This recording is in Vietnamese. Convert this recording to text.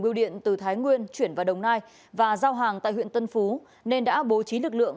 biêu điện từ thái nguyên chuyển vào đồng nai và giao hàng tại huyện tân phú nên đã bố trí lực lượng